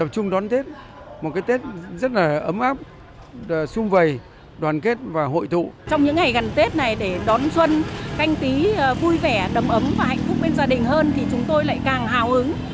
vui vẻ đấm ấm và hạnh phúc bên gia đình hơn thì chúng tôi lại càng hào hứng